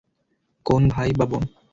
কোন ভাই বা বোন?